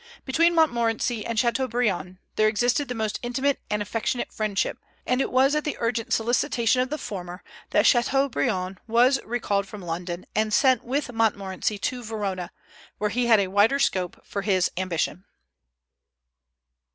Between Montmorency and Chateaubriand there existed the most intimate and affectionate friendship, and it was at the urgent solicitation of the former that Chateaubriand was recalled from London and sent with Montmorency to Verona, where he had a wider scope for his ambition.